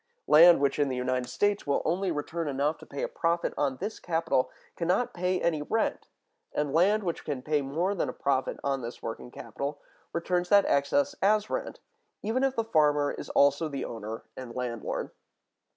Land which in the United States will only return enough to pay a profit on this capital can not pay any rent. And land which can pay more than a profit on this working capital, returns that excess as rent, even if the farmer is also the owner and landlord.